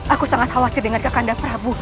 aku sangat khawatir dengan kekanda prabu